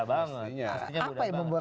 pastinya muda banget